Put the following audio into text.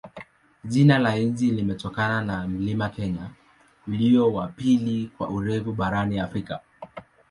Jina la nchi limetokana na mlima Kenya, ulio wa pili kwa urefu barani Afrika.